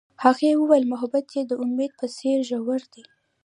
هغې وویل محبت یې د امید په څېر ژور دی.